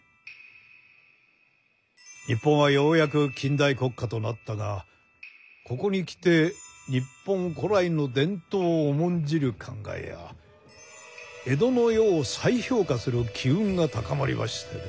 日本はようやく近代国家となったがここにきて日本古来の伝統を重んじる考えや江戸の世を再評価する機運が高まりましてね。